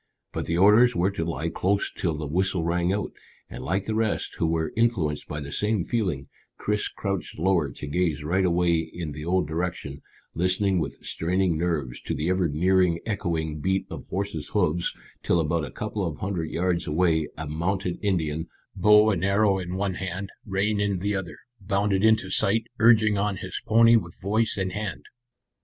But the orders were to lie close till the whistle rang out, and like the rest, who were influenced by the same feeling, Chris crouched lower to gaze right away in the old direction, listening with straining nerves to the ever nearing echoing beat of horses' hoofs, till about a couple of hundred yards away a mounted Indian, bow and arrow in one hand, rein in the other, bounded into sight, urging on his pony with voice and hand.